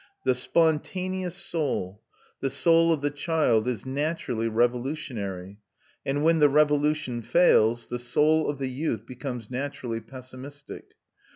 The spontaneous soul, the soul of the child, is naturally revolutionary; and when the revolution fails, the soul of the youth becomes naturally pessimistic.